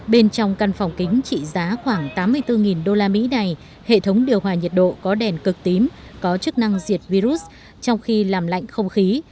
bên trong căn phòng kính trị giá khoảng tám mươi bốn usd này hệ thống điều hòa nhiệt độ có đèn cực tím có chức năng diệt virus trong khi làm lạnh không khí